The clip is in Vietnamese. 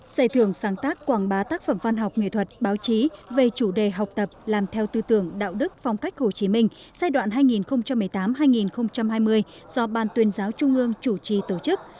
giải thưởng sáng tác quảng bá tác phẩm văn học nghệ thuật báo chí về chủ đề học tập làm theo tư tưởng đạo đức phong cách hồ chí minh giai đoạn hai nghìn một mươi tám hai nghìn hai mươi do ban tuyên giáo trung ương chủ trì tổ chức